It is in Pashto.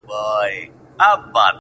• بندوي چي قام په دام کي د ښکاریانو -